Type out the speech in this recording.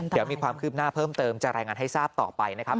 เดี๋ยวมีความคืบหน้าเพิ่มเติมจะรายงานให้ทราบต่อไปนะครับ